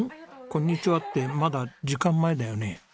「こんにちは」ってまだ時間前だよね？